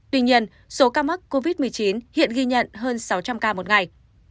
tuy nhiên số ca mắc covid một mươi chín hiện ghi nhận hơn sáu trăm linh ca một ngày